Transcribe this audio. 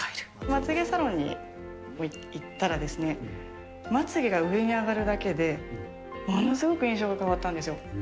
まつげサロンに行ったらですね、まつげが上に上がるだけで、ものすごく印象が変わったんですよ。